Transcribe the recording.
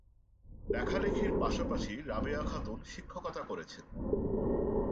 লেখালেখির পাশাপাশি রাবেয়া খাতুন শিক্ষকতা করেছেন।